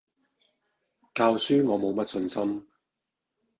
教書我冇乜信心